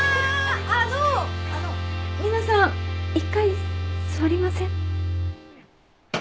あのあの皆さん一回座りません？